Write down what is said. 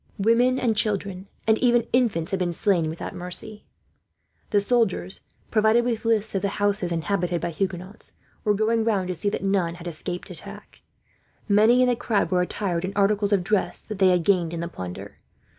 Women and children, and even infants, had been slain without mercy. The soldiers, provided with lists of the houses inhabited by Huguenots, were going round to see that none had escaped attack. Many in the crowd were attired in articles of dress that they had gained in the plunder.